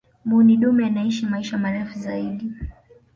mbuni dume anaishi maisha marefu zaidi